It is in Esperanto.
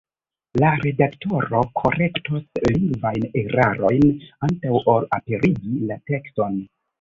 La redaktoro korektos lingvajn erarojn antaŭ ol aperigi la tekston.